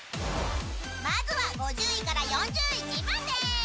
まずは５０位から４１位まで。